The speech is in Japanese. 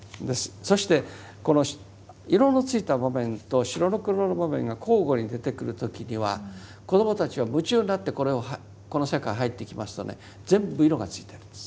そしてこの色のついた場面と白黒の場面が交互に出てくる時には子どもたちは夢中になってこれをこの世界へ入っていきますとね全部色がついてるんです